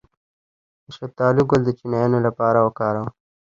د شفتالو ګل د چینجیانو لپاره وکاروئ